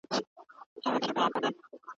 د قيمتونو لوړوالی بايد په ملي عايد کي محاسبه سي.